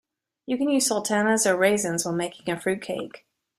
You can use sultanas or raisins when making fruitcake